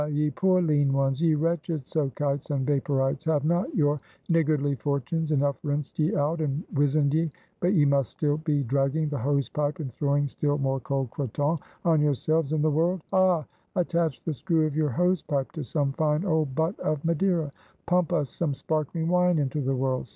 ye poor lean ones! ye wretched Soakites and Vaporites! have not your niggardly fortunes enough rinsed ye out, and wizened ye, but ye must still be dragging the hose pipe, and throwing still more cold Croton on yourselves and the world? Ah! attach the screw of your hose pipe to some fine old butt of Madeira! pump us some sparkling wine into the world!